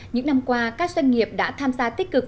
những năm qua các doanh nghiệp đã tham gia tích cực